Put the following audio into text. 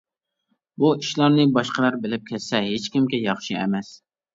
بۇ ئىشلارنى باشقىلار بىلىپ كەتسە ھېچكىمگە ياخشى ئەمەس.